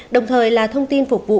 đồng thời là thông tin phục vụ